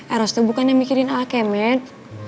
eros tuh bukan yang mikirin alkemet